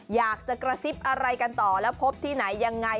อยากจะกระซิบอะไรกันต่อแล้วพบที่ไหนยังไง